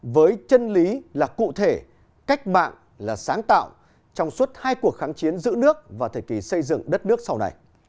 với chân lý là cụ thể cách mạng là sáng tạo trong suốt hai cuộc kháng chiến giữ nước và thời kỳ xây dựng đất nước sau này